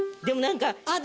でも何か。